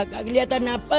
nggak kelihatan apa